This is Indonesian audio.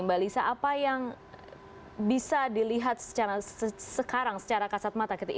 mbak lisa apa yang bisa dilihat sekarang secara kasat mata